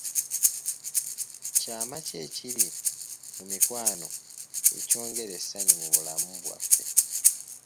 Kyama ki ekiri mu mikwano ekyongera essanyu mu bulamu bwaffe?